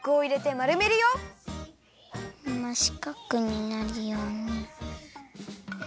ましかくになるように。